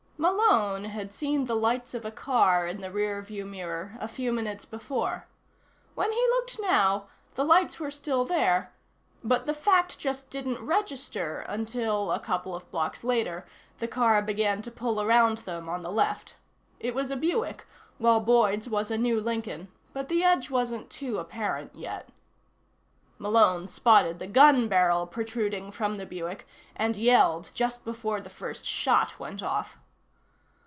Malone had seen the lights of a car in the rear view mirror a few minutes before. When he looked now, the lights were still there but the fact just didn't register until, a couple of blocks later, the car began to pull around them on the left. It was a Buick, while Boyd's was a new Lincoln, but the edge wasn't too apparent yet. Malone spotted the gun barrel protruding from the Buick and yelled just before the first shot went off.